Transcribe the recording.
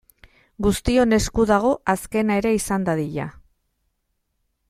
Guztion esku dago azkena ere izan dadila.